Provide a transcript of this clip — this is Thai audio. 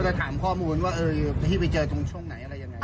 ก็ถามข้อมูลว่าเออพี่ไปเจอตรงช่วงไหนอะไรยังไง